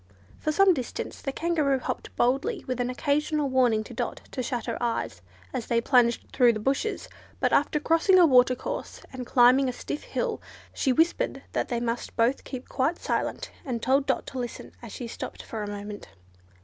For some distance the Kangaroo hopped along boldly, with an occasional warning to Dot to shut her eyes as they plunged through the bushes; but after crossing a watercourse, and climbing a stiff hill, she whispered that they must both keep quite silent, and told Dot to listen as she stopped for a moment.